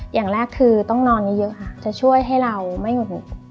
อย่างแรกคือต้องนอนเยอะค่ะจะช่วยให้เราไม่หุดหงิด